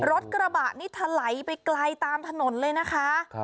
รถกระบะนี่ถลายไปไกลตามถนนเลยนะคะ